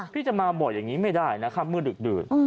พี่จะมาบ่อยอย่างนี้ไม่ได้นะครับเมื่อดึก